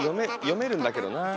読めるんだけどなあ。